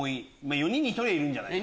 ４人に１人はいるんじゃないか。